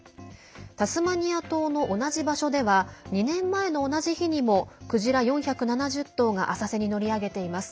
タスマニア島の同じ場所では２年前の同じ日にもクジラ４７０頭が浅瀬に乗り上げています。